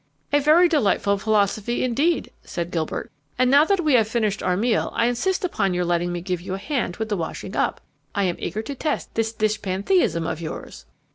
"A very delightful philosophy indeed," said Gilbert. "And now that we have finished our meal, I insist upon your letting me give you a hand with the washing up. I am eager to test this dish pantheism of yours!"